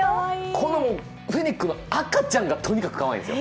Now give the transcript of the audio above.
このフェネックの赤ちゃんがとにかくかわいいんですよ。